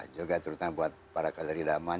juga terutama buat para kaliridaman